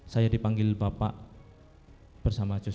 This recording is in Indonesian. saya dipanggil bapak bersama joshua